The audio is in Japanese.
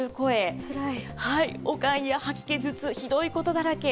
悪寒や吐き気、頭痛、ひどいことだらけ。